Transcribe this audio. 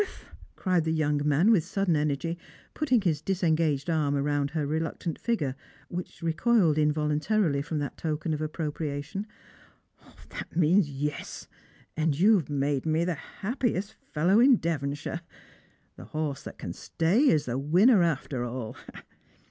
cried the young man with sudden energy, putting hia disengaged arm round her reluctant figure, which recoiled in voluntarily from that token of appropriation ;_" that meana Yes, and you've made me the happiest fellow in Devonshire. The horse that can stay is the winner after all.